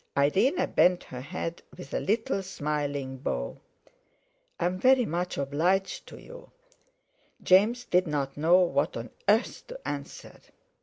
Irene bent her head with a little smiling bow. "I am very much obliged to you." James did not know what on earth to answer.